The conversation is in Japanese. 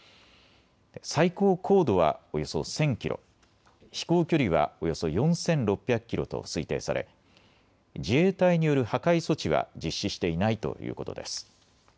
最高高度はおよそ１０００キロ、飛行距離はおよそ４６００キロと推定され、自衛隊による破壊措置は実施していないということです。